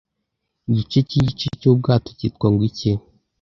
igice cyigice cyubwato kitwa ngo iki